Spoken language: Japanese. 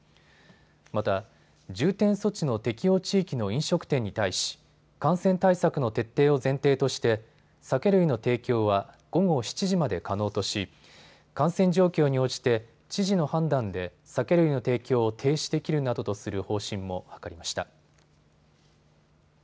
また、重点措置の適用地域の飲食店に対し感染対策の徹底を前提として酒類の提供は午後７時まで可能とし、感染状況に応じて知事の判断で酒類の提供を停止できるなどとする方針も諮りました。